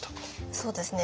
そうですね